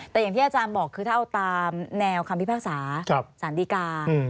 แต่อย่างที่อาจารย์บอกคือถ้าเอาตามแนวคำพิพากษาสารดีกา